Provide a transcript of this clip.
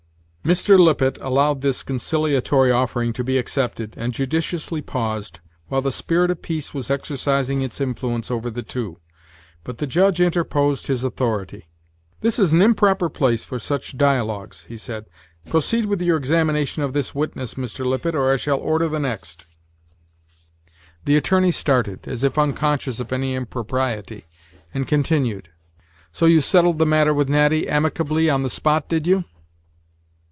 Mr. Lippet allowed this conciliatory offering to be accepted, and judiciously paused, while the spirit of peace was exercising its influence over the two; but the Judge interposed his authority. "This is an improper place for such dialogues," he said; "proceed with your examination of this witness, Mr. Lippet, or I shall order the next." The attorney started, as if unconscious of any impropriety, and continued: "So you settled the matter with Natty amicably on the spot, did you?"